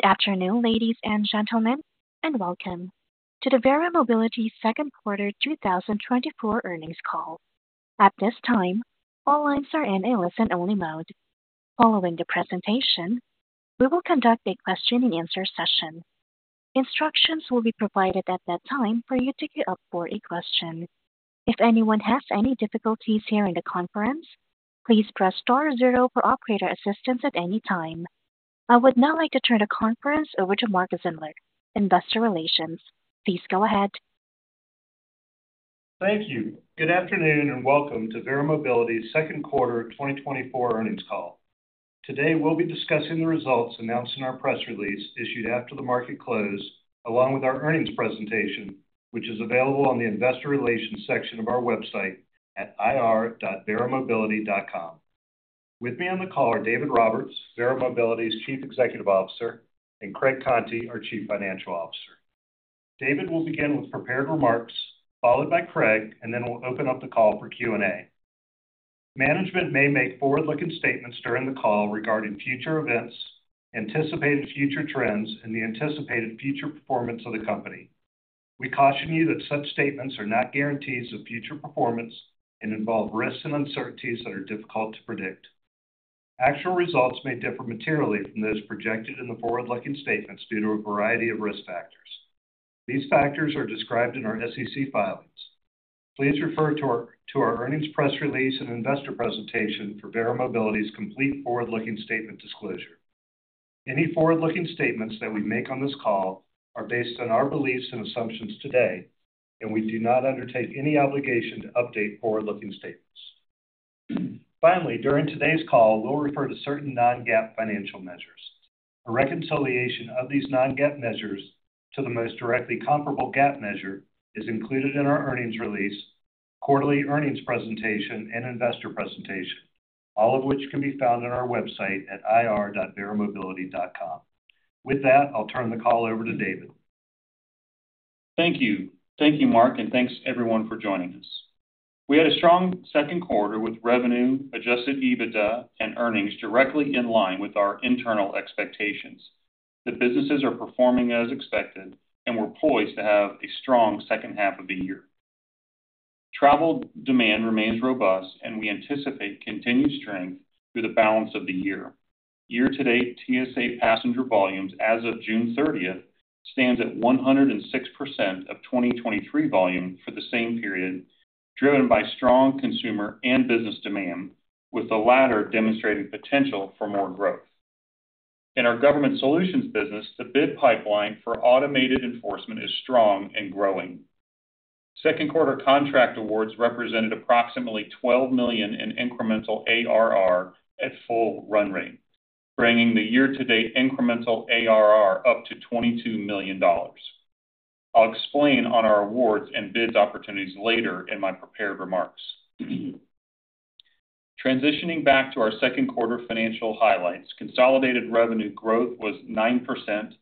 Good afternoon, ladies and gentlemen, and welcome to the Verra Mobility second quarter 2024 earnings call. At this time, all lines are in a listen-only mode. Following the presentation, we will conduct a question-and-answer session. Instructions will be provided at that time for you to get up for a question. If anyone has any difficulties hearing the conference, please press star zero for operator assistance at any time. I would now like to turn the conference over to Mark Zindler, Investor Relations. Please go ahead. Thank you. Good afternoon, and welcome to Verra Mobility's second quarter 2024 earnings call. Today, we'll be discussing the results announced in our press release, issued after the market closed, along with our earnings presentation, which is available on the investor relations section of our website at ir.verramobility.com. With me on the call are David Roberts, Verra Mobility's Chief Executive Officer, and Craig Conti, our Chief Financial Officer. David will begin with prepared remarks, followed by Craig, and then we'll open up the call for Q&A. Management may make forward-looking statements during the call regarding future events, anticipated future trends, and the anticipated future performance of the company. We caution you that such statements are not guarantees of future performance and involve risks and uncertainties that are difficult to predict. Actual results may differ materially from those projected in the forward-looking statements due to a variety of risk factors. These factors are described in our SEC filings. Please refer to our earnings press release and investor presentation for Verra Mobility's complete forward-looking statement disclosure. Any forward-looking statements that we make on this call are based on our beliefs and assumptions today, and we do not undertake any obligation to update forward-looking statements. Finally, during today's call, we'll refer to certain non-GAAP financial measures. A reconciliation of these non-GAAP measures to the most directly comparable GAAP measure is included in our earnings release, quarterly earnings presentation, and investor presentation, all of which can be found on our website at ir.verramobility.com. With that, I'll turn the call over to David. Thank you. Thank you, Mark, and thanks, everyone, for joining us. We had a strong second quarter with revenue, adjusted EBITDA, and earnings directly in line with our internal expectations. The businesses are performing as expected, and we're poised to have a strong second half of the year. Travel demand remains robust, and we anticipate continued strength through the balance of the year. Year-to-date TSA passenger volumes as of June 30th stands at 106% of 2023 volume for the same period, driven by strong consumer and business demand, with the latter demonstrating potential for more growth. In our Government Solutions business, the bid pipeline for automated enforcement is strong and growing. Second quarter contract awards represented approximately $12 million in incremental ARR at full run rate, bringing the year-to-date incremental ARR up to $22 million. I'll explain on our awards and bids opportunities later in my prepared remarks. Transitioning back to our second quarter financial highlights, consolidated revenue growth was 9%,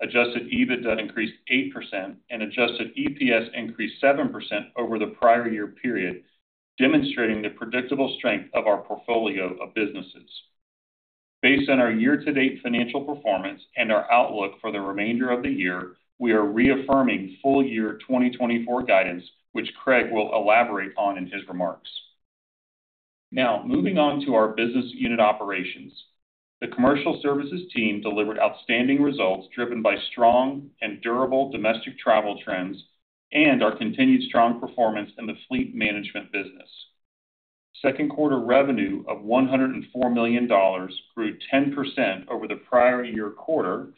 adjusted EBITDA increased 8%, and adjusted EPS increased 7% over the prior year period, demonstrating the predictable strength of our portfolio of businesses. Based on our year-to-date financial performance and our outlook for the remainder of the year, we are reaffirming full year 2024 guidance, which Craig will elaborate on in his remarks. Now, moving on to our business unit operations. The Commercial Services team delivered outstanding results, driven by strong and durable domestic travel trends and our continued strong performance in the fleet management business. Second quarter revenue of $104 million grew 10% over the prior year quarter,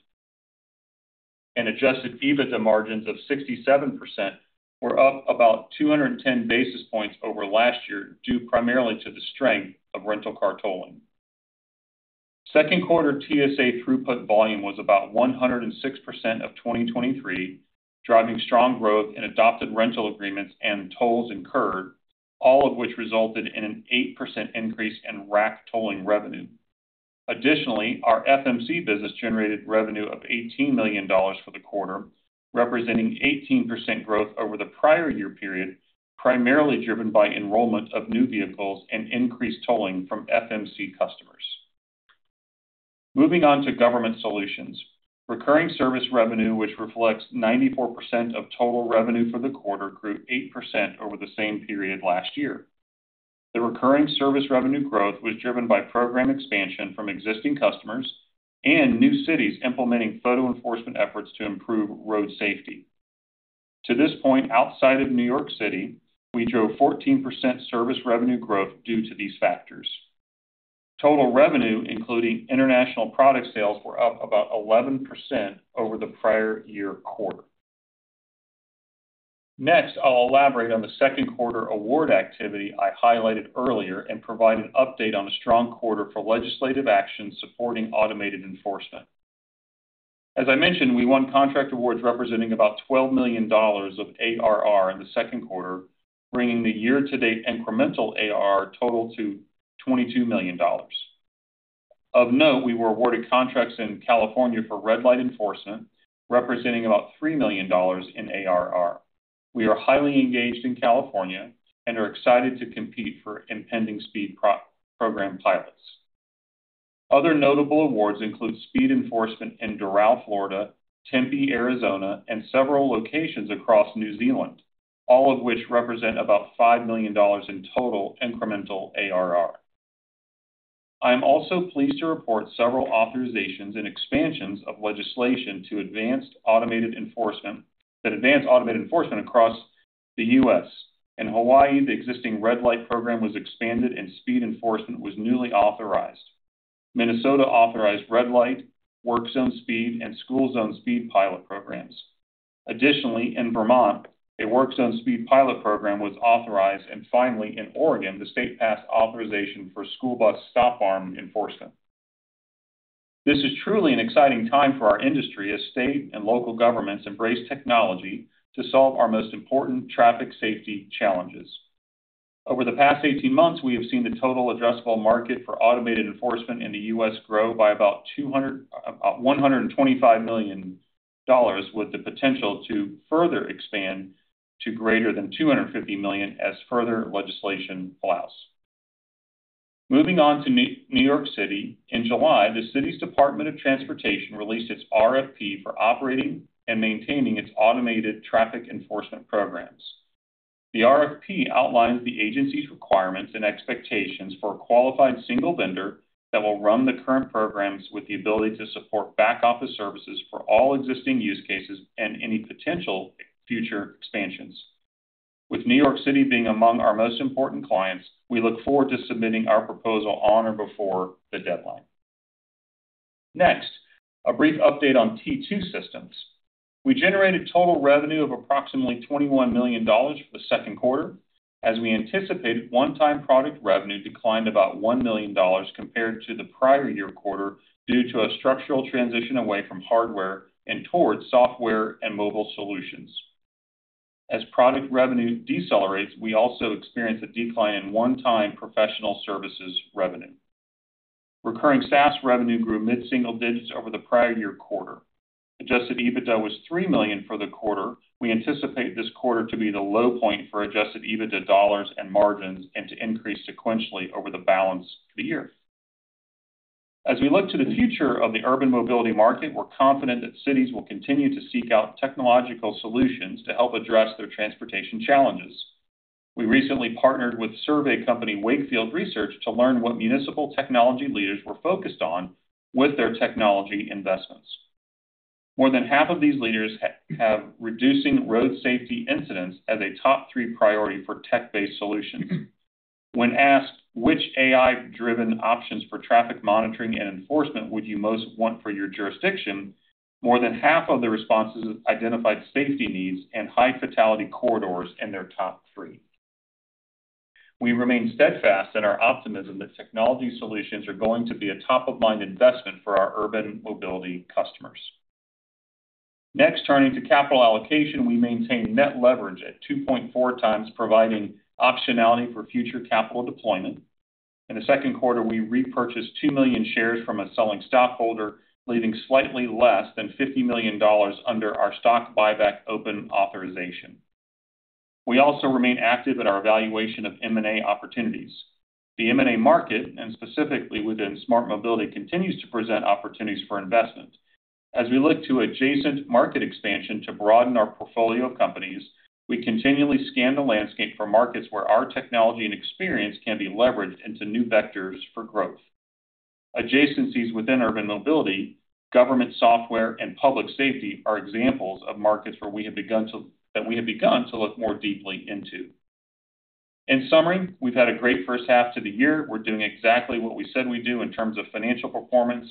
and adjusted EBITDA margins of 67% were up about 210 basis points over last year, due primarily to the strength of rental car tolling. Second quarter TSA throughput volume was about 106% of 2023, driving strong growth in adopted rental agreements and tolls incurred, all of which resulted in an 8% increase in rack tolling revenue. Additionally, our FMC business generated revenue of $18 million for the quarter, representing 18% growth over the prior year period, primarily driven by enrollment of new vehicles and increased tolling from FMC customers. Moving on to Government Solutions. Recurring service revenue, which reflects 94% of total revenue for the quarter, grew 8% over the same period last year. The recurring service revenue growth was driven by program expansion from existing customers and new cities implementing photo enforcement efforts to improve road safety. To this point, outside of New York City, we drove 14% service revenue growth due to these factors. Total revenue, including international product sales, were up about 11% over the prior year quarter. Next, I'll elaborate on the second quarter award activity I highlighted earlier and provide an update on a strong quarter for legislative action supporting automated enforcement. As I mentioned, we won contract awards representing about $12 million of ARR in the second quarter, bringing the year-to-date incremental ARR total to $22 million. Of note, we were awarded contracts in California for red light enforcement, representing about $3 million in ARR. We are highly engaged in California and are excited to compete for impending speed program pilots. Other notable awards include speed enforcement in Doral, Florida, Tempe, Arizona, and several locations across New Zealand, all of which represent about $5 million in total incremental ARR. I am also pleased to report several authorizations and expansions of legislation to advanced automated enforcement, that advanced automated enforcement across the U.S. In Hawaii, the existing red light program was expanded and speed enforcement was newly authorized. Minnesota authorized red light, work zone speed, and school zone speed pilot programs. Additionally, in Vermont, a work zone speed pilot program was authorized, and finally, in Oregon, the state passed authorization for school bus stop arm enforcement. This is truly an exciting time for our industry as state and local governments embrace technology to solve our most important traffic safety challenges. Over the past 18 months, we have seen the total addressable market for automated enforcement in the U.S. grow by about $200, about $125 million, with the potential to further expand to greater than $250 million as further legislation allows. Moving on to New York City. In July, the city's Department of Transportation released its RFP for operating and maintaining its automated traffic enforcement programs. The RFP outlines the agency's requirements and expectations for a qualified single vendor that will run the current programs with the ability to support back-office services for all existing use cases and any potential future expansions. With New York City being among our most important clients, we look forward to submitting our proposal on or before the deadline. Next, a brief update on T2 Systems. We generated total revenue of approximately $21 million for the second quarter. As we anticipated, one-time product revenue declined about $1 million compared to the prior year quarter, due to a structural transition away from hardware and towards software and mobile solutions. As product revenue decelerates, we also experienced a decline in one-time professional services revenue. Recurring SaaS revenue grew mid-single digits over the prior year quarter. Adjusted EBITDA was $3 million for the quarter. We anticipate this quarter to be the low point for adjusted EBITDA dollars and margins, and to increase sequentially over the balance of the year. As we look to the future of the urban mobility market, we're confident that cities will continue to seek out technological solutions to help address their transportation challenges. We recently partnered with survey company, Wakefield Research, to learn what municipal technology leaders were focused on with their technology investments. More than half of these leaders have reducing road safety incidents as a top three priority for tech-based solutions. When asked which AI-driven options for traffic monitoring and enforcement would you most want for your jurisdiction, more than half of the responses identified safety needs and high fatality corridors in their top three. We remain steadfast in our optimism that technology solutions are going to be a top-of-mind investment for our urban mobility customers. Next, turning to capital allocation. We maintain net leverage at 2.4 times, providing optionality for future capital deployment. In the second quarter, we repurchased 2 million shares from a selling stockholder, leaving slightly less than $50 million under our stock buyback open authorization. We also remain active in our evaluation of M&A opportunities. The M&A market, and specifically within smart mobility, continues to present opportunities for investment. As we look to adjacent market expansion to broaden our portfolio of companies, we continually scan the landscape for markets where our technology and experience can be leveraged into new vectors for growth. Adjacencies within urban mobility, government, software, and public safety are examples of markets where we have begun to look more deeply into. In summary, we've had a great first half to the year. We're doing exactly what we said we'd do in terms of financial performance.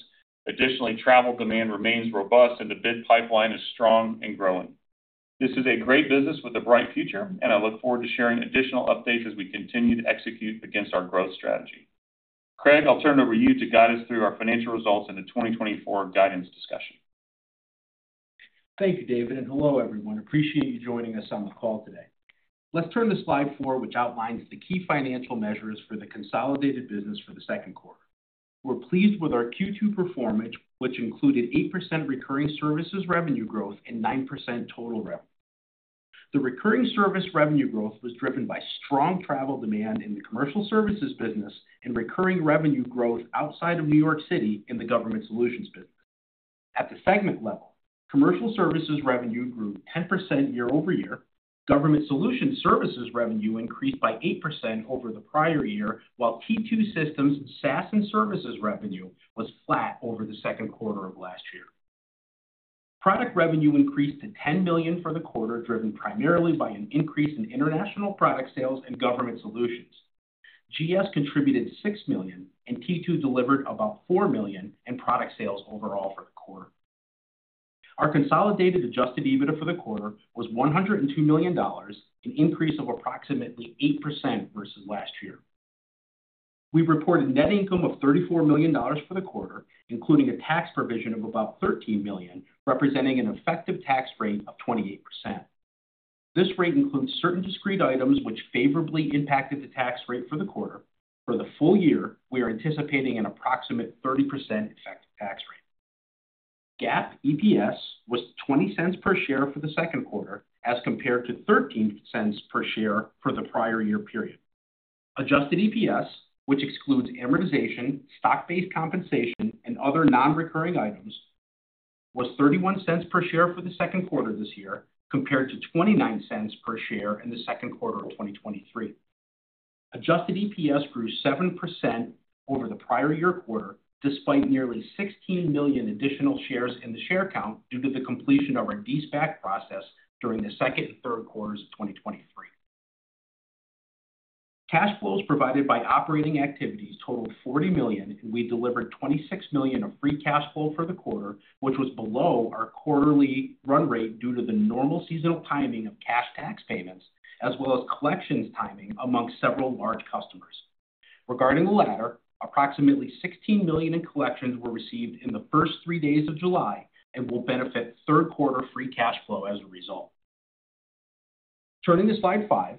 Additionally, travel demand remains robust, and the bid pipeline is strong and growing. This is a great business with a bright future, and I look forward to sharing additional updates as we continue to execute against our growth strategy. Craig, I'll turn it over to you to guide us through our financial results and the 2024 guidance discussion. Thank you, David, and hello, everyone. Appreciate you joining us on the call today. Let's turn to slide four, which outlines the key financial measures for the consolidated business for the second quarter. We're pleased with our Q2 performance, which included 8% recurring services revenue growth and 9% total revenue. The recurring service revenue growth was driven by strong travel demand in the Commercial Services business and recurring revenue growth outside of New York City in the Government Solutions business. At the segment level, Commercial Services revenue grew 10% year-over-year. Government Solutions services revenue increased by 8% over the prior year, while T2 Systems, SaaS and Services revenue was flat over the second quarter of last year. Product revenue increased to $10 million for the quarter, driven primarily by an increase in international product sales and Government Solutions. GS contributed $6 million, and T2 delivered about $4 million in product sales overall for the quarter. Our consolidated adjusted EBITDA for the quarter was $102 million, an increase of approximately 8% versus last year. We reported net income of $34 million for the quarter, including a tax provision of about $13 million, representing an effective tax rate of 28%. This rate includes certain discrete items which favorably impacted the tax rate for the quarter. For the full year, we are anticipating an approximate 30% effective tax rate. GAAP EPS was $0.20 per share for the second quarter, as compared to $0.13 per share for the prior year period. Adjusted EPS, which excludes amortization, stock-based compensation, and other non-recurring items, was $0.31 per share for the second quarter this year, compared to $0.29 per share in the second quarter of 2023. Adjusted EPS grew 7% over the prior year quarter, despite nearly 16 million additional shares in the share count due to the completion of our de-SPAC process during the second and third quarters of 2023. Cash flows provided by operating activities totaled $40 million, and we delivered $26 million of free cash flow for the quarter, which was below our quarterly run rate due to the normal seasonal timing of cash tax payments, as well as collections timing among several large customers. Regarding the latter, approximately $16 million in collections were received in the first 3 days of July and will benefit third quarter free cash flow as a result. Turning to slide five.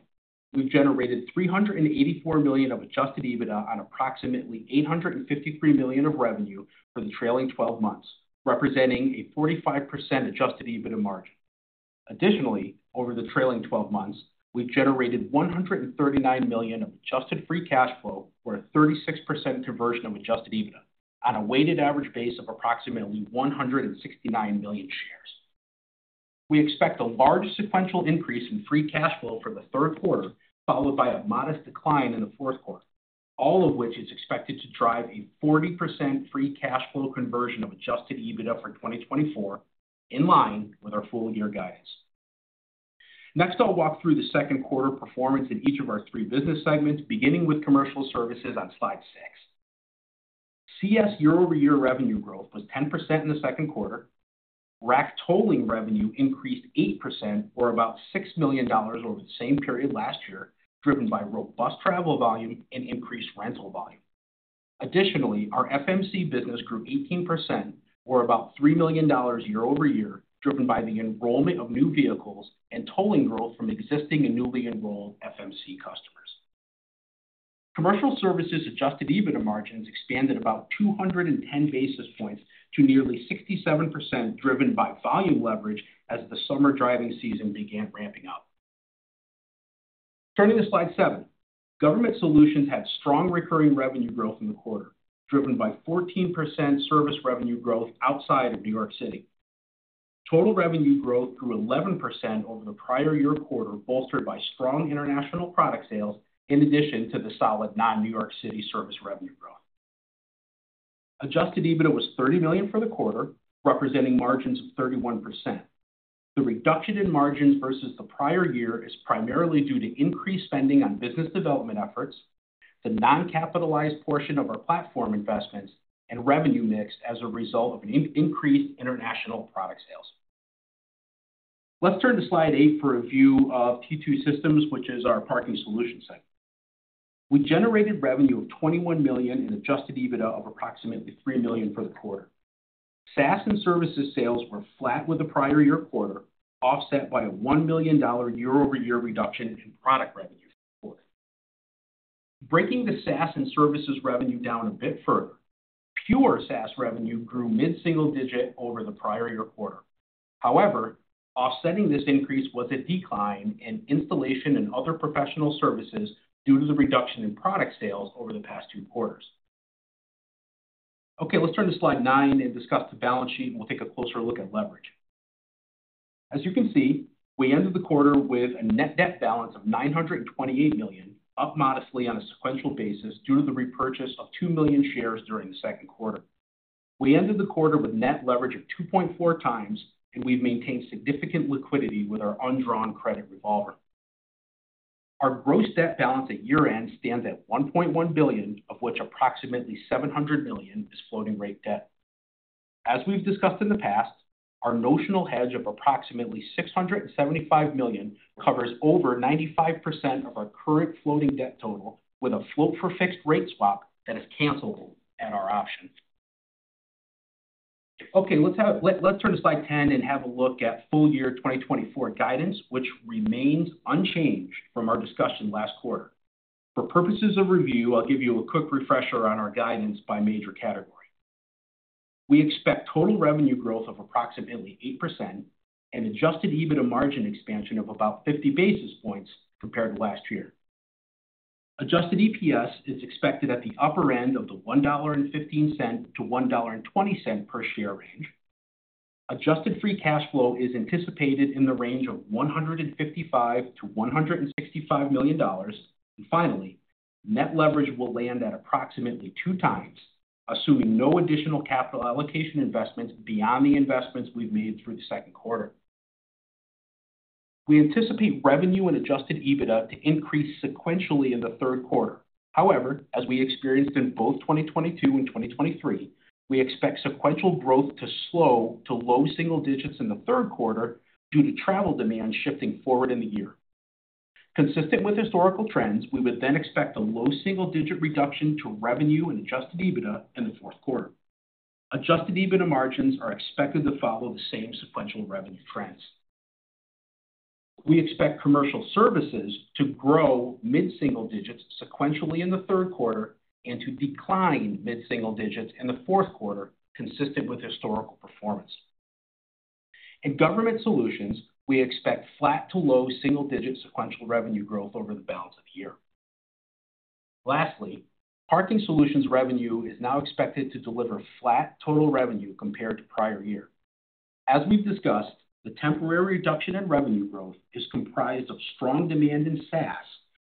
We've generated $384 million of adjusted EBITDA on approximately $853 million of revenue for the trailing twelve months, representing a 45% adjusted EBITDA margin. Additionally, over the trailing twelve months, we've generated $139 million of adjusted free cash flow, or a 36% conversion of adjusted EBITDA on a weighted average base of approximately 169 million shares. We expect a large sequential increase in free cash flow for the third quarter, followed by a modest decline in the fourth quarter, all of which is expected to drive a 40% free cash flow conversion of adjusted EBITDA for 2024, in line with our full year guidance. Next, I'll walk through the second quarter performance in each of our three business segments, beginning with Commercial Services on slide six. CS year-over-year revenue growth was 10% in the second quarter. Rack tolling revenue increased 8%, or about $6 million over the same period last year, driven by robust travel volume and increased rental volume. Additionally, our FMC business grew 18%, or about $3 million year over year, driven by the enrollment of new vehicles and tolling growth from existing and newly enrolled FMC customers. Commercial Services adjusted EBITDA margins expanded about 210 basis points to nearly 67%, driven by volume leverage as the summer driving season began ramping up. Turning to slide seven. Government Solutions had strong recurring revenue growth in the quarter, driven by 14% service revenue growth outside of New York City. Total revenue growth grew 11% over the prior year quarter, bolstered by strong international product sales in addition to the solid non-New York City service revenue growth. Adjusted EBITDA was $30 million for the quarter, representing margins of 31%. The reduction in margins versus the prior year is primarily due to increased spending on business development efforts, the non-capitalized portion of our platform investments, and revenue mix as a result of an increased international product sales. Let's turn to slide eight for a view of T2 Systems, which is our Parking Solution segment. We generated revenue of $21 million in adjusted EBITDA of approximately $3 million for the quarter. SaaS and Services sales were flat with the prior year quarter, offset by a $1 million year-over-year reduction in product revenue. Breaking the SaaS and services revenue down a bit further, pure SaaS revenue grew mid-single digit over the prior year quarter. However, offsetting this increase was a decline in installation and other professional services due to the reduction in product sales over the past two quarters. Okay, let's turn to slide nine and discuss the balance sheet, and we'll take a closer look at leverage. As you can see, we ended the quarter with a net debt balance of $928 million, up modestly on a sequential basis due to the repurchase of 2 million shares during the second quarter. We ended the quarter with net leverage of 2.4x, and we've maintained significant liquidity with our undrawn credit revolver. Our gross debt balance at year-end stands at $1.1 billion, of which approximately $700 million is floating rate debt. As we've discussed in the past, our notional hedge of approximately $675 million covers over 95% of our current floating debt total, with a float for fixed rate swap that is cancelable at our option. Okay, let's turn to slide 10 and have a look at full year 2024 guidance, which remains unchanged from our discussion last quarter. For purposes of review, I'll give you a quick refresher on our guidance by major category. We expect total revenue growth of approximately 8% and adjusted EBITDA margin expansion of about 50 basis points compared to last year. Adjusted EPS is expected at the upper end of the $1.15-$1.20 per share range. Adjusted free cash flow is anticipated in the range of $155 million-$165 million. Finally, net leverage will land at approximately 2x, assuming no additional capital allocation investments beyond the investments we've made through the second quarter. We anticipate revenue and adjusted EBITDA to increase sequentially in the third quarter. However, as we experienced in both 2022 and 2023, we expect sequential growth to slow to low single digits in the third quarter due to travel demand shifting forward in the year. Consistent with historical trends, we would then expect a low single digit reduction to revenue and adjusted EBITDA in the fourth quarter. Adjusted EBITDA margins are expected to follow the same sequential revenue trends. We expect Commercial Services to grow mid-single digits sequentially in the third quarter and to decline mid-single digits in the fourth quarter, consistent with historical performance. In Government Solutions, we expect flat to low single-digit sequential revenue growth over the balance of the year. Lastly, Parking Solutions revenue is now expected to deliver flat total revenue compared to prior year. As we've discussed, the temporary reduction in revenue growth is comprised of strong demand in SaaS,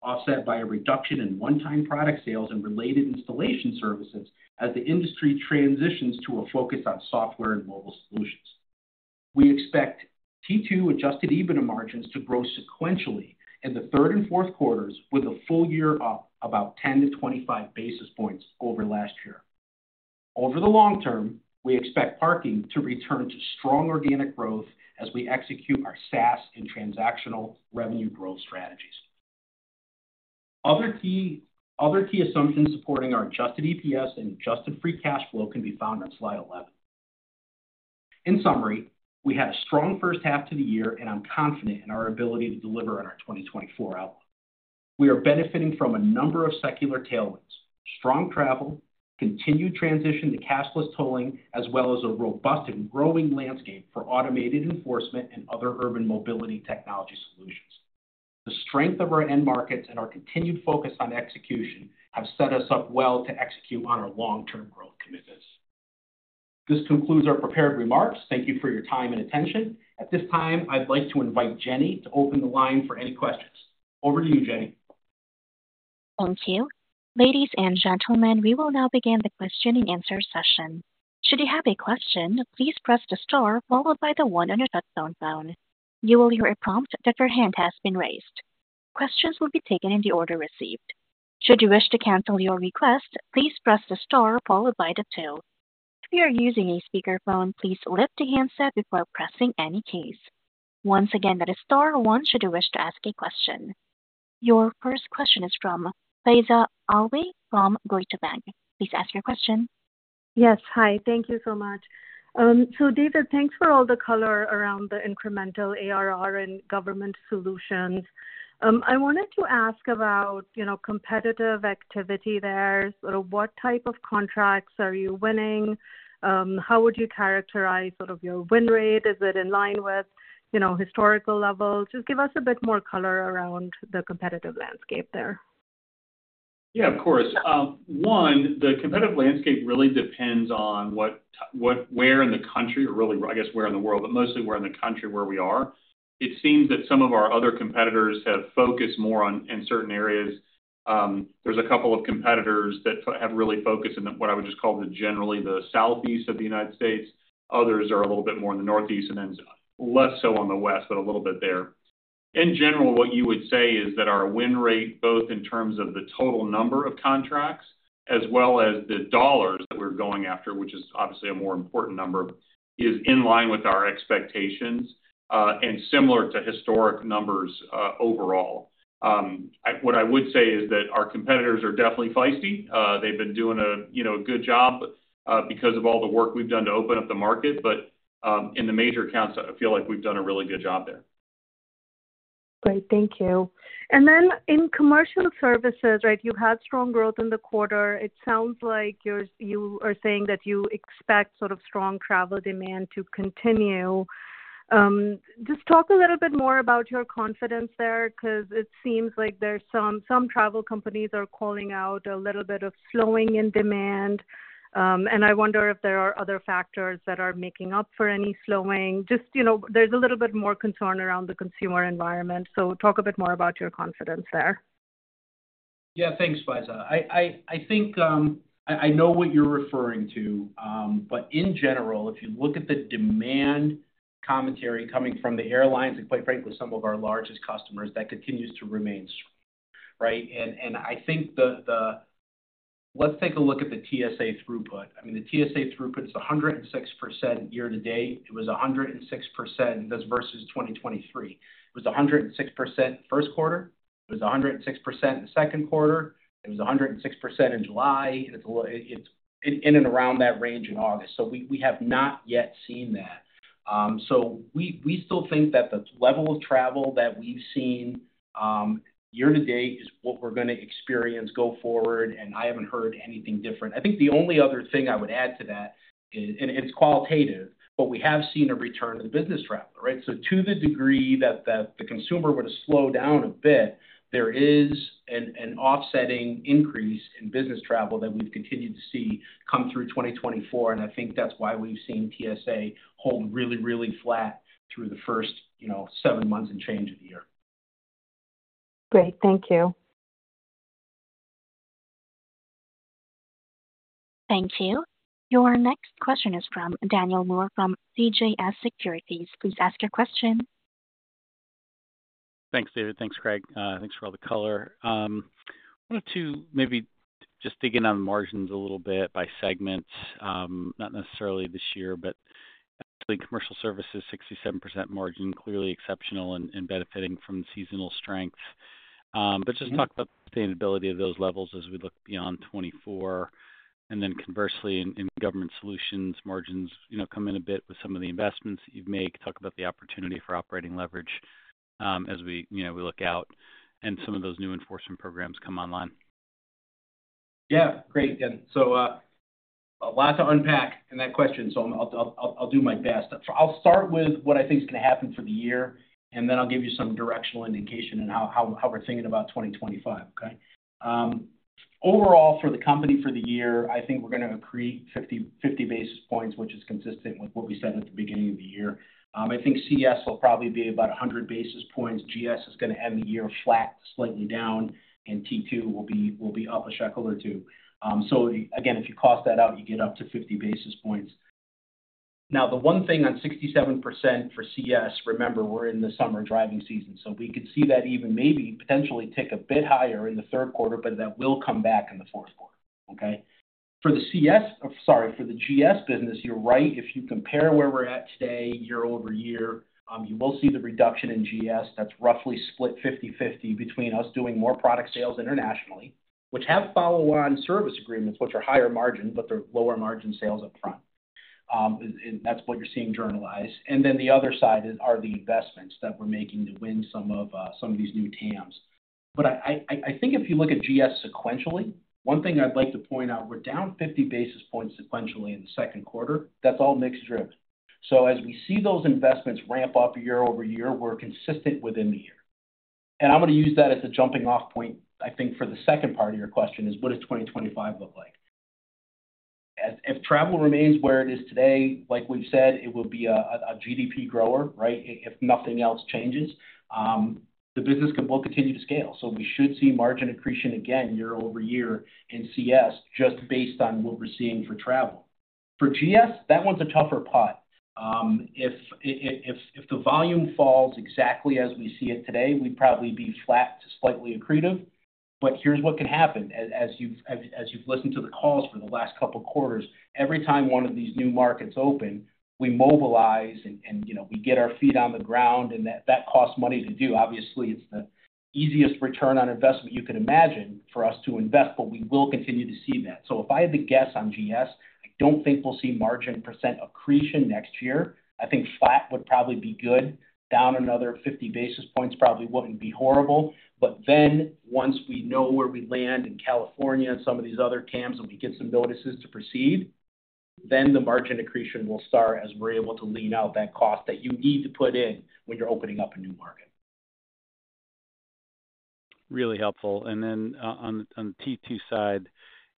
offset by a reduction in one-time product sales and related installation services as the industry transitions to a focus on software and mobile solutions. We expect T2 Adjusted EBITDA margins to grow sequentially in the third and fourth quarters, with a full year up about 10-25 basis points over last year. Over the long term, we expect parking to return to strong organic growth as we execute our SaaS and transactional revenue growth strategies. Other key assumptions supporting our Adjusted EPS and adjusted free cash flow can be found on slide 11. In summary, we had a strong first half to the year, and I'm confident in our ability to deliver on our 2024 outlook. We are benefiting from a number of secular tailwinds: strong travel, continued transition to cashless tolling, as well as a robust and growing landscape for automated enforcement and other urban mobility technology solutions. The strength of our end markets and our continued focus on execution have set us up well to execute on our long-term growth commitments. This concludes our prepared remarks. Thank you for your time and attention. At this time, I'd like to invite Jenny to open the line for any questions. Over to you, Jenny. Thank you. Ladies and gentlemen, we will now begin the question-and-answer session. Should you have a question, please press the star followed by the one on your touchtone phone. You will hear a prompt that your hand has been raised. Questions will be taken in the order received. Should you wish to cancel your request, please press the star followed by the two. If you are using a speakerphone, please lift the handset before pressing any keys. Once again, that is star one should you wish to ask a question. Your first question is from Faiza Alwy from Deutsche Bank. Please ask your question. Yes. Hi. Thank you so much. So David, thanks for all the color around the incremental ARR and Government Solutions. I wanted to ask about, you know, competitive activity there. Sort of what type of contracts are you winning? How would you characterize sort of your win rate? Is it in line with, you know, historical levels? Just give us a bit more color around the competitive landscape there. Yeah, of course. One, the competitive landscape really depends on what where in the country, or really, I guess, where in the world, but mostly where in the country where we are. It seems that some of our other competitors have focused more on, in certain areas. There's a couple of competitors that have really focused in the, what I would just call the, generally the Southeast of the United States. Others are a little bit more in the Northeast and then less so on the West, but a little bit there. In general, what you would say is that our win rate, both in terms of the total number of contracts as well as the dollars that we're going after, which is obviously a more important number, is in line with our expectations, and similar to historic numbers, overall. What I would say is that our competitors are definitely feisty. They've been doing a good job, you know, because of all the work we've done to open up the market. But in the major accounts, I feel like we've done a really good job there. Great. Thank you. And then in Commercial Services, right, you had strong growth in the quarter. It sounds like you're, you are saying that you expect sort of strong travel demand to continue. Just talk a little bit more about your confidence there, 'cause it seems like there's some travel companies are calling out a little bit of slowing in demand. And I wonder if there are other factors that are making up for any slowing. Just, you know, there's a little bit more concern around the consumer environment, so talk a bit more about your confidence there. Yeah. Thanks, Faiza. I think I know what you're referring to. But in general, if you look at the demand commentary coming from the airlines and, quite frankly, some of our largest customers, that continues to remain strong, right? And I think the - let's take a look at the TSA throughput. I mean, the TSA throughput is 106% year to date. It was 106%, that's versus 2023. It was 106% first quarter. It was 106% in the second quarter. It was 106% in July. It's in and around that range in August. So we have not yet seen that. So we still think that the level of travel that we've seen year to date is what we're gonna experience go forward, and I haven't heard anything different. I think the only other thing I would add to that is, and it's qualitative, but we have seen a return of the business traveler, right? So to the degree that the consumer would have slowed down a bit, there is an offsetting increase in business travel that we've continued to see come through 2024, and I think that's why we've seen TSA hold really, really flat through the first, you know, seven months and change of the year. Great. Thank you. Thank you. Your next question is from Daniel Moore, from CJS Securities. Please ask your question. Thanks, David. Thanks, Craig. Thanks for all the color. I wanted to maybe just dig in on margins a little bit by segment. Not necessarily this year, but I think Commercial Services, 67% margin, clearly exceptional and benefiting from seasonal strength. But just talk about the sustainability of those levels as we look beyond 2024. And then conversely, in Government Solutions, margins, you know, come in a bit with some of the investments that you've made. Talk about the opportunity for operating leverage, as we, you know, we look out and some of those new enforcement programs come online. Yeah. Great, Dan. So, a lot to unpack in that question, so I'll do my best. I'll start with what I think is gonna happen for the year, and then I'll give you some directional indication on how, how, how we're thinking about 2025, okay? Overall, for the company for the year, I think we're gonna accrete 50 basis points, which is consistent with what we said at the beginning of the year. I think CS will probably be about 100 basis points. GS is gonna end the year flat, slightly down, and T2 will be, will be up a nickel or two. So again, if you cost that out, you get up to 50 basis points. Now, the one thing on 67% for CS, remember, we're in the summer driving season, so we could see that even maybe potentially tick a bit higher in the third quarter, but that will come back in the fourth quarter, okay? For the CS. Sorry, for the GS business, you're right. If you compare where we're at today year-over-year, you will see the reduction in GS. That's roughly split 50/50 between us doing more product sales internationally, which have follow-on service agreements, which are higher margin, but they're lower margin sales up front. And that's what you're seeing journalized. And then the other side is, are the investments that we're making to win some of, some of these new TAMs. But I think if you look at GS sequentially, one thing I'd like to point out, we're down 50 basis points sequentially in the second quarter. That's all mixed drift. So as we see those investments ramp up year-over-year, we're consistent within the year. And I'm gonna use that as a jumping-off point, I think, for the second part of your question, is: What does 2025 look like? If travel remains where it is today, like we've said, it will be a GDP grower, right? If nothing else changes, the business can both continue to scale. So we should see margin accretion again year-over-year in CS, just based on what we're seeing for travel. For GS, that one's a tougher pot. If the volume falls exactly as we see it today, we'd probably be flat to slightly accretive. But here's what can happen. As you've listened to the calls for the last couple of quarters, every time one of these new markets open, we mobilize and you know, we get our feet on the ground, and that costs money to do. Obviously, it's the easiest return on investment you can imagine for us to invest, but we will continue to see that. So if I had to guess on GS, I don't think we'll see margin percent accretion next year. I think flat would probably be good. Down another 50 basis points probably wouldn't be horrible. But then, once we know where we land in California and some of these other TAMs, and we get some notices to proceed, then the margin accretion will start as we're able to lean out that cost that you need to put in when you're opening up a new market. Really helpful. And then, on the, on the T2 side,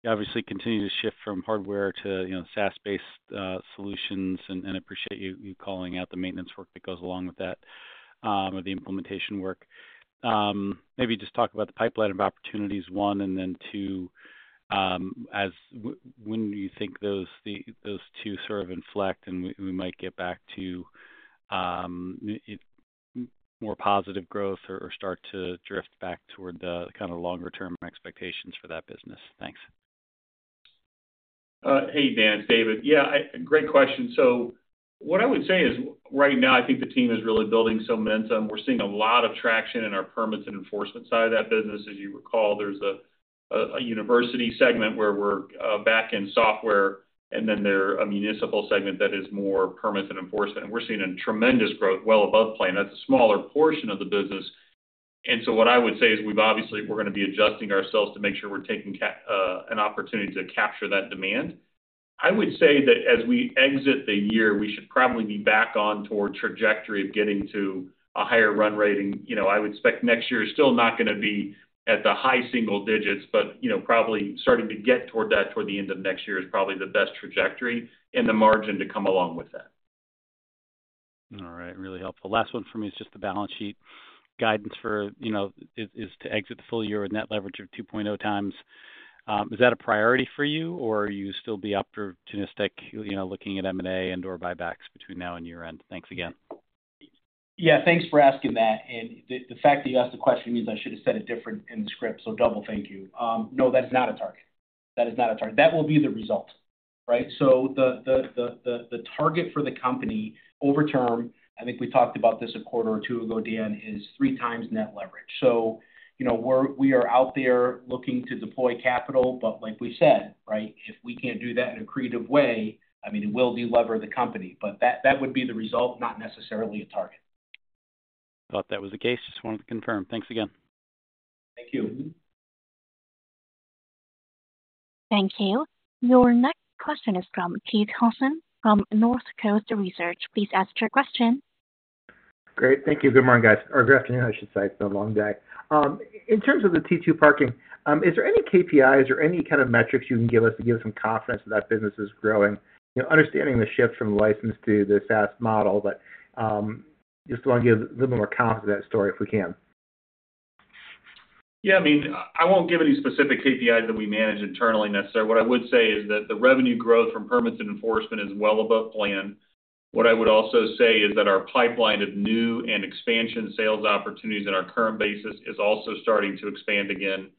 you obviously continue to shift from hardware to, you know, SaaS-based, solutions, and, and appreciate you, you calling out the maintenance work that goes along with that, or the implementation work. Maybe just talk about the pipeline of opportunities, one, and then two, as when do you think those those two sort of inflect, and we, we might get back to, more positive growth or, or start to drift back toward the kind of longer-term expectations for that business? Thanks. Hey, Dan, it's David. Yeah, great question. So what I would say is, right now, I think the team is really building some momentum. We're seeing a lot of traction in our permits and enforcement side of that business. As you recall, there's a university segment where we're back in software, and then there are a municipal segment that is more permits and enforcement. And we're seeing a tremendous growth, well above plan. That's a smaller portion of the business. And so what I would say is we've obviously we're gonna be adjusting ourselves to make sure we're taking an opportunity to capture that demand. I would say that as we exit the year, we should probably be back on toward trajectory of getting to a higher run rating. You know, I would expect next year is still not gonna be at the high single digits, but, you know, probably starting to get toward that toward the end of next year is probably the best trajectory and the margin to come along with that. All right. Really helpful. Last one for me is just the balance sheet guidance for, you know, is to exit the full year with net leverage of 2.0x. Is that a priority for you, or you still be opportunistic, you know, looking at M&A and/or buybacks between now and year-end? Thanks again. Yeah, thanks for asking that. The fact that you asked the question means I should have said it different in the script, so double thank you. No, that's not a target. That is not a target. That will be the result, right? So the target for the company over term, I think we talked about this a quarter or two ago, Dan, is 3x net leverage. So you know, we are out there looking to deploy capital, but like we said, right, if we can't do that in an accretive way, I mean, it will de-lever the company. But that would be the result, not necessarily a target. Thought that was the case. Just wanted to confirm. Thanks again. Thank you. Thank you. Your next question is from Keith Housum from Northcoast Research. Please ask your question. Great. Thank you. Good morning, guys, or good afternoon, I should say. It's been a long day. In terms of the T2 parking, is there any KPIs or any kind of metrics you can give us to give us some confidence that business is growing? You know, understanding the shift from licensed to the SaaS model, but, just want to give a little more confidence to that story, if we can. Yeah, I mean, I won't give any specific KPIs that we manage internally, necessarily. What I would say is that the revenue growth from permits and enforcement is well above plan. What I would also say is that our pipeline of new and expansion sales opportunities in our current basis is also starting to expand again.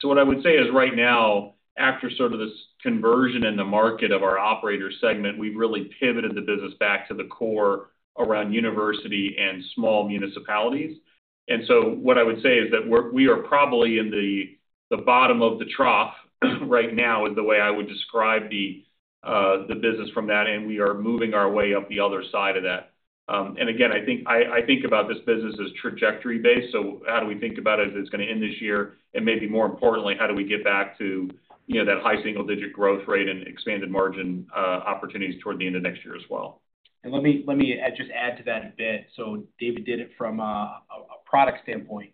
So what I would say is, right now, after sort of this conversion in the market of our operator segment, we've really pivoted the business back to the core around university and small municipalities. And so what I would say is that we're—we are probably in the, the bottom of the trough right now, is the way I would describe the, the business from that, and we are moving our way up the other side of that. And again, I think about this business as trajectory-based, so how do we think about it as it's gonna end this year? And maybe more importantly, how do we get back to, you know, that high single-digit growth rate and expanded margin opportunities toward the end of next year as well? Let me just add to that a bit. David did it from a product standpoint,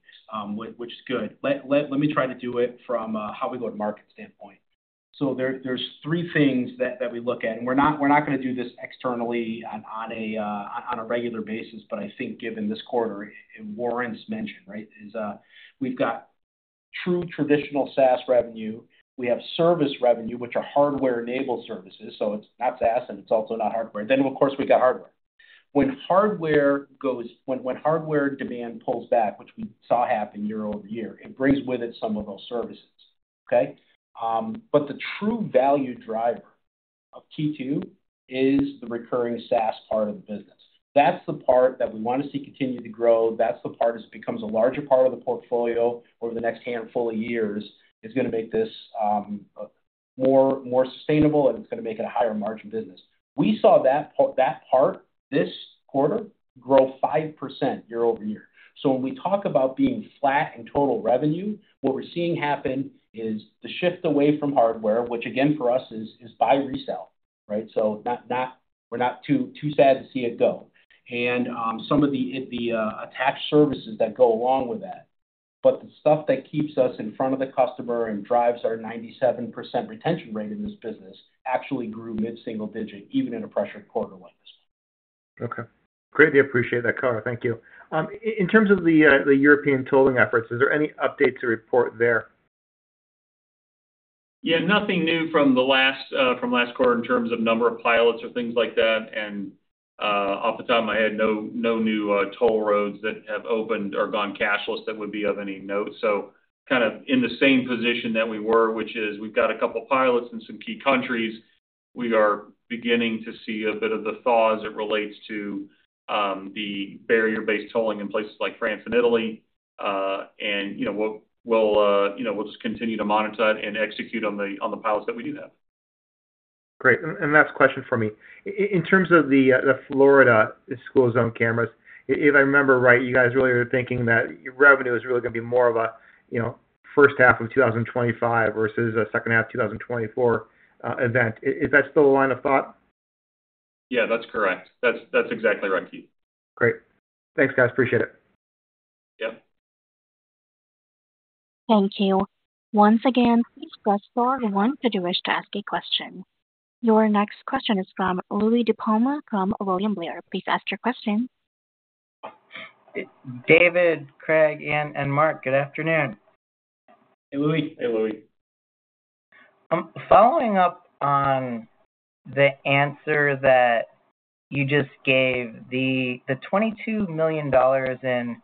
which is good. Let me try to do it from how we go to market standpoint. There's three things that we look at, and we're not gonna do this externally on a regular basis, but I think given this quarter, and warrants mention, right? We've got true traditional SaaS revenue. We have service revenue, which are hardware-enabled services, so it's not SaaS, and it's also not hardware. Of course, we've got hardware. When hardware demand pulls back, which we saw happen year-over-year, it brings with it some of those services, okay? But the true value driver of Q2 is the recurring SaaS part of the business. That's the part that we wanna see continue to grow. That's the part as it becomes a larger part of the portfolio over the next handful of years, is gonna make this more sustainable, and it's gonna make it a higher margin business. We saw that part, this quarter, grow 5% year-over-year. So when we talk about being flat in total revenue, what we're seeing happen is the shift away from hardware, which, again, for us, is buy resell, right? So we're not too sad to see it go. And some of the attached services that go along with that. But the stuff that keeps us in front of the customer and drives our 97% retention rate in this business, actually grew mid single digit, even in a pressured quarter like this. Okay. Greatly appreciate that, Craig. Thank you. In terms of the European tolling efforts, is there any update to report there? Yeah, nothing new from the last, from last quarter in terms of number of pilots or things like that. And, off the top of my head, no, no new, toll roads that have opened or gone cashless that would be of any note. So kind of in the same position that we were, which is we've got a couple pilots in some key countries. We are beginning to see a bit of the thaw as it relates to, the barrier-based tolling in places like France and Italy. And, you know, we'll, we'll, you know, we'll just continue to monitor that and execute on the, on the pilots that we do have. Great. And last question for me. In terms of the Florida school zone cameras, if I remember right, you guys really are thinking that your revenue is really gonna be more of a, you know, first half of 2025 versus a second half of 2024 event. Is that still a line of thought? Yeah, that's correct. That's, that's exactly right, Keith. Great. Thanks, guys, appreciate it. Yep. Thank you. Once again, please press star one if you wish to ask a question. Your next question is from Louie DiPalma, from William Blair. Please ask your question. David, Craig, and Mark, Good afternoon. Hey, Louie. Hey, Louie. Following up on the answer that you just gave, the $22 million in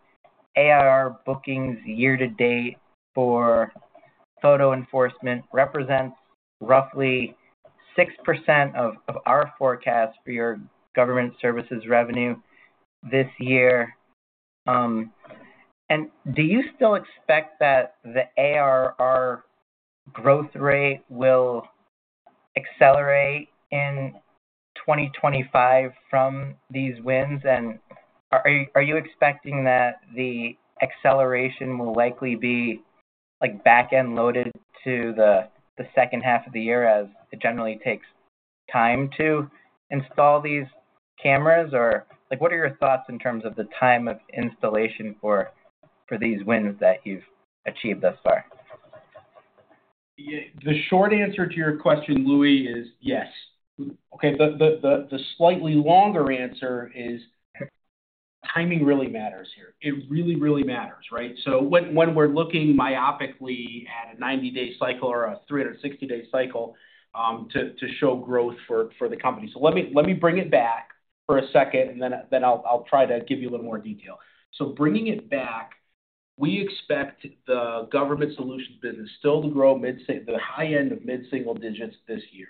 ARR bookings year-to-date for photo enforcement represents roughly 6% of our forecast for your Government Services revenue this year. And do you still expect that the ARR growth rate will accelerate in 2025 from these wins? And are you expecting that the acceleration will likely be, like, back-end loaded to the second half of the year, as it generally takes time to install these cameras? Or, like, what are your thoughts in terms of the time of installation for these wins that you've achieved thus far? Yeah, the short answer to your question, Louie, is yes. Okay, the slightly longer answer is, timing really matters here. It really, really matters, right? So when we're looking myopically at a 90-day cycle or a 360-day cycle, to show growth for the company. So let me bring it back for a second, and then I'll try to give you a little more detail. So bringing it back, we expect the Government Solutions business still to grow mid-single—the high end of mid-single digits this year.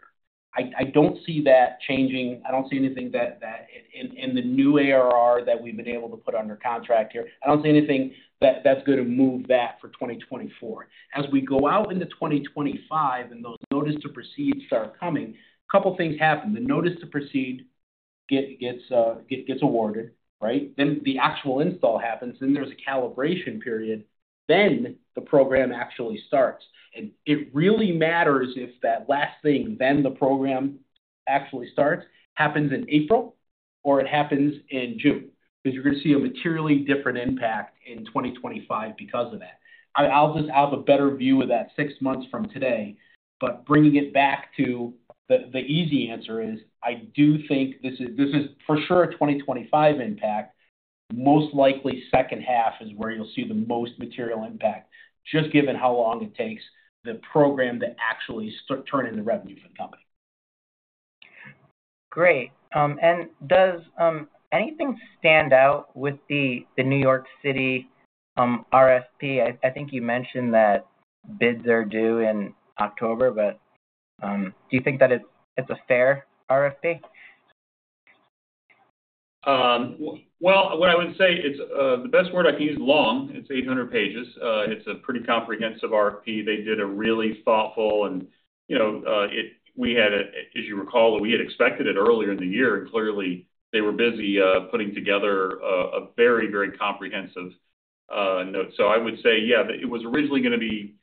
I don't see that changing. I don't see anything that... In the new ARR that we've been able to put under contract here, I don't see anything that's gonna move that for 2024. As we go out into 2025 and those notice to proceed start coming, a couple things happen. The notice to proceed gets awarded, right? Then the actual install happens, then there's a calibration period, then the program actually starts. And it really matters if that last thing, then the program actually starts, happens in April, or it happens in June, because you're gonna see a materially different impact in 2025 because of that. I'll just. I'll have a better view of that six months from today, but bringing it back to the, the easy answer is, I do think this is, this is, for sure, a 2025 impact. Most likely, second half is where you'll see the most material impact, just given how long it takes the program to actually turn into revenue for the company. Great. And does anything stand out with the New York City RFP? I think you mentioned that bids are due in October, but do you think that it's a fair RFP? Well, what I would say is, the best word I can use, long. It's 800 pages. It's a pretty comprehensive RFP. They did a really thoughtful and, you know, we had it, as you recall, we had expected it earlier in the year, and clearly, they were busy, putting together a very, very comprehensive note. So I would say, yeah, it was originally gonna be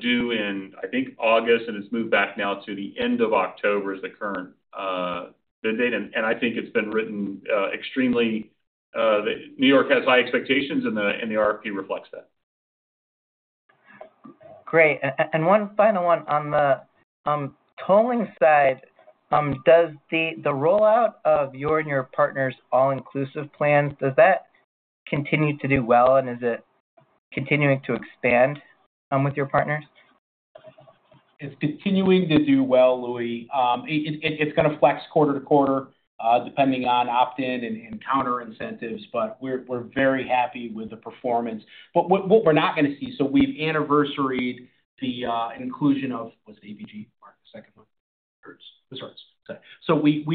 due in, I think, August, and it's moved back now to the end of October, is the current date. And I think it's been written extremely—New York has high expectations, and the RFP reflects that. Great. And one final one. On the tolling side, does the rollout of you and your partners' all-inclusive plans continue to do well, and is it continuing to expand with your partners? It's continuing to do well, Louie. It's gonna flex quarter to quarter, depending on opt-in and counter incentives, but we're very happy with the performance. But what we're not gonna see, so we've anniversaried the inclusion of... Was it ABG or the second one? Hertz. It's Hertz. So we've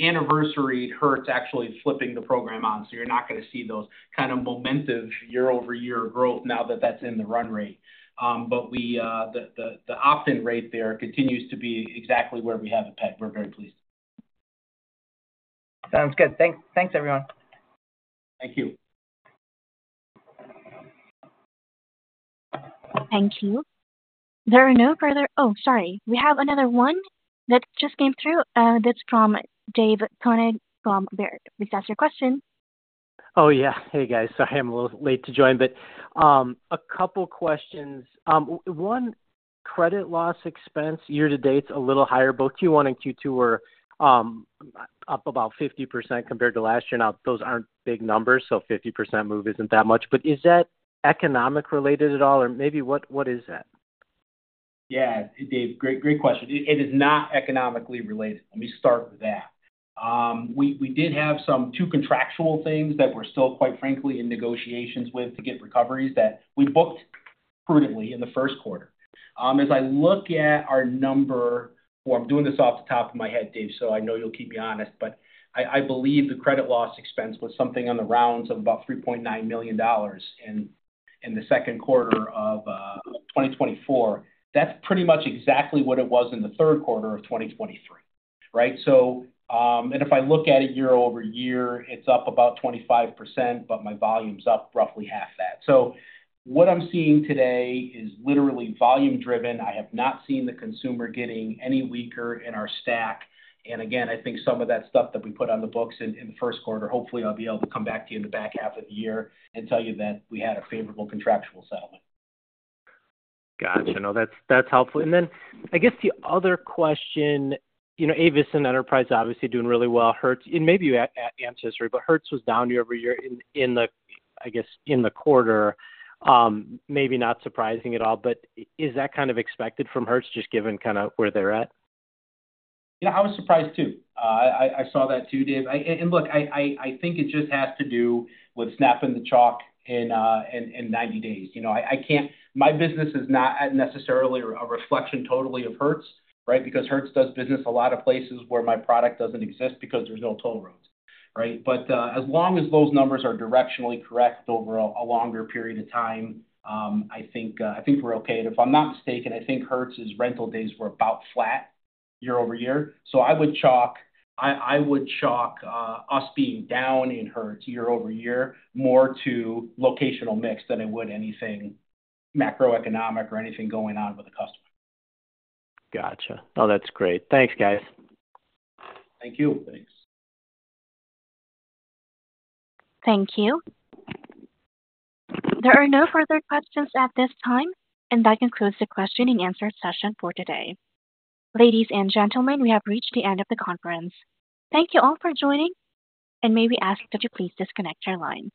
anniversaried Hertz actually flipping the program on, so you're not gonna see those kind of momentum year-over-year growth now that that's in the run rate. But the opt-in rate there continues to be exactly where we have it pegged. We're very pleased. Sounds good. Thanks, everyone. Thank you. Thank you. There are no further—Oh, sorry. We have another one that just came through. That's from Dave Koning from Baird. Please ask your question. Oh, yeah. Hey, guys. Sorry, I'm a little late to join. But a couple questions. One, credit loss expense year to date's a little higher. Both Q1 and Q2 were up about 50% compared to last year. Now, those aren't big numbers, so 50% move isn't that much, but is that economic related at all? Or maybe what, what is that? Yeah, Dave, great, great question. It, it is not economically related, let me start with that. We, we did have some two contractual things that we're still, quite frankly, in negotiations with to get recoveries that we booked prudently in the first quarter. As I look at our number, well, I'm doing this off the top of my head, Dave, so I know you'll keep me honest, but I, I believe the credit loss expense was something on the rounds of about $3.9 million in the second quarter of 2024. That's pretty much exactly what it was in the third quarter of 2023, right? So, and if I look at it year-over-year, it's up about 25%, but my volume's up roughly half that. So what I'm seeing today is literally volume driven. I have not seen the consumer getting any weaker in our stack. And again, I think some of that stuff that we put on the books in the first quarter, hopefully I'll be able to come back to you in the back half of the year and tell you that we had a favorable contractual settlement. Gotcha. No, that's, that's helpful. And then I guess the other question, you know, Avis and Enterprise are obviously doing really well. Hertz, and maybe you answered this already, but Hertz was down year-over-year in the quarter. Maybe not surprising at all, but is that kind of expected from Hertz, just given kind of where they're at? Yeah, I was surprised, too. I saw that, too, Dave. And look, I think it just has to do with snapping the chalk in 90 days. You know, I can't-- My business is not necessarily a reflection totally of Hertz, right? Because Hertz does business a lot of places where my product doesn't exist because there's no toll roads, right? But, as long as those numbers are directionally correct over a longer period of time, I think I think we're okay. And if I'm not mistaken, I think Hertz's rental days were about flat year-over-year. So I would chalk us being down in Hertz year-over-year, more to locational mix than it would anything macroeconomic or anything going on with the customer. Gotcha. No, that's great. Thanks, guys. Thank you. Thanks. Thank you. There are no further questions at this time, and that concludes the questioning and answer session for today. Ladies and gentlemen, we have reached the end of the conference. Thank you all for joining, and may we ask that you please disconnect your line.